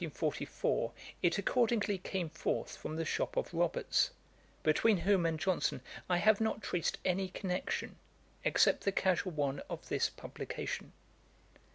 ] In February, 1744, it accordingly came forth from the shop of Roberts, between whom and Johnson I have not traced any connection, except the casual one of this publication.